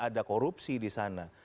ada korupsi disana